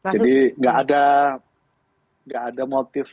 jadi nggak ada motif